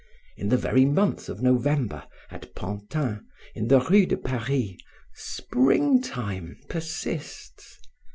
In the very month of November, at Pantin, in the rue de Paris, springtime persists.